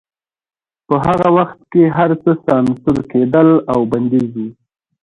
په هغه وخت کې هرڅه سانسور کېدل او بندیز و